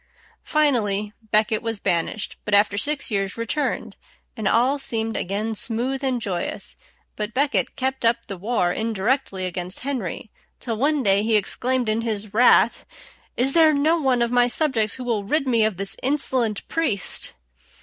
Finally à Becket was banished; but after six years returned, and all seemed again smooth and joyous; but Becket kept up the war indirectly against Henry, till one day he exclaimed in his wrath, "Is there no one of my subjects who will rid me of this insolent priest?"